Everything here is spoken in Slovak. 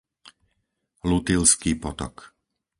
Lutilský potok